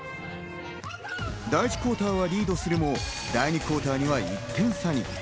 第１クオーターはリードするも、第２クオーターには１点差に。